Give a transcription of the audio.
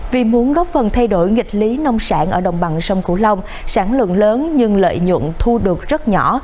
vì muốn góp phần thay đổi nghịch lý nông sản ở đồng bằng sông cửu long sản lượng lớn nhưng lợi nhuận thu được rất nhỏ